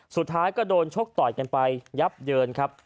สุดท้ายก็โดนชกต่อยกันไปยับเยินครับ